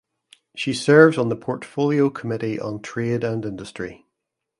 She serves on the Portfolio Committee on Trade and Industry.